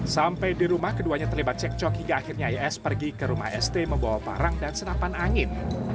sampai di rumah keduanya terlibat cekcok hingga akhirnya es pergi ke rumah st membawa parang dan senapan angin